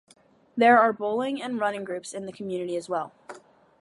There are bowling and running groups in the community as well.